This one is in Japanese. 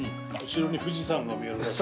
後ろに富士山が見えるらしい。